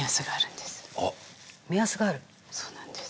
そうなんです。